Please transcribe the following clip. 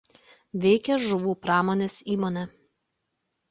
Veikia žuvų pramonės įmonė.